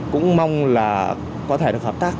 cũng mong là có thể được hợp tác